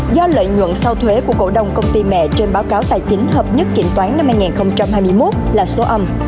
do lợi nhuận sau thuế của cổ đông công ty mẹ trên báo cáo tài chính hợp nhất kiểm toán năm hai nghìn hai mươi một là số âm